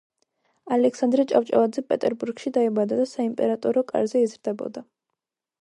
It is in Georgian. ალექსანდრე ჭავჭავაძე პეტერბურგში დაიბადა და საიმპერატორო კარზე იზრდებოდა.